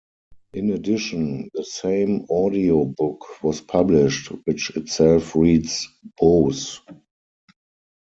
In addition, the same audio book was published, which itself reads Boes.